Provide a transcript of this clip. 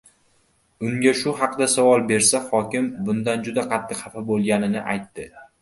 Unga shu haqida savol bersa, hokim bundan juda qattiq hafa boʻlganini aytdi.